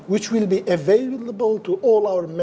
yang akan tersedia untuk semua anggota kami